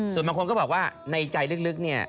ส่วนบางคนก็บอกว่าในใจลึกเนี่ย